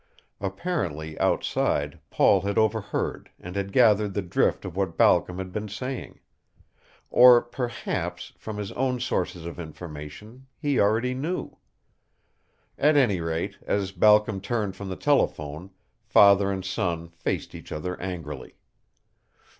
Apparently outside Paul had overheard and had gathered the drift of what Balcom had been saying. Or perhaps, from his own sources of information, he already knew. At any rate, as Balcom turned from the telephone, father and son faced each other angrily.